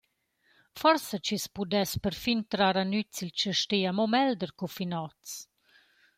«Forsa chi’s pudess perfin trar a nüz il chastè amo meglder co fin hoz.»